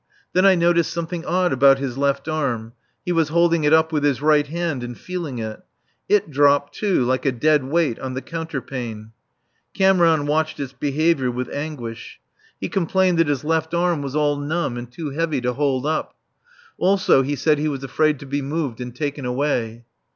Then I noticed something odd about his left arm; he was holding it up with his right hand and feeling it. It dropped, too, like a dead weight, on the counterpane. Cameron watched its behaviour with anguish. He complained that his left arm was all numb and too heavy to hold up. Also he said he was afraid to be moved and taken away.